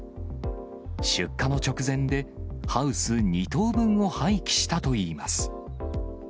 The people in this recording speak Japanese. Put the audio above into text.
出荷の直前で、ハウス２棟分を廃棄したといいます。